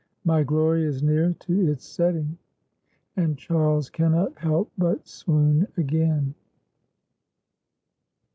My glory is near to its setting." And Charles cannot help but swoon again.